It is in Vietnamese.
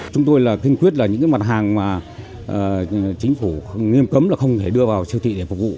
chúng tôi là kinh quyết là những mặt hàng mà chính phủ nghiêm cấm là không thể đưa vào siêu thị để phục vụ